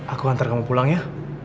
aku hantar kamu pulang ya